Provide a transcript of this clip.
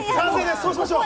そうしましょう！